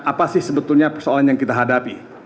apa sih sebetulnya persoalan yang kita hadapi